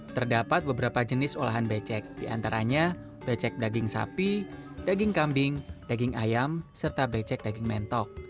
terdapat beberapa jenis olahan becek diantaranya becek daging sapi daging kambing daging ayam serta becek daging mentok